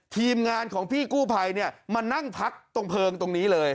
ทีมงานของพี่กู้ภัยเนี่ยมานั่งพักตรงเพลิงตรงนี้เลย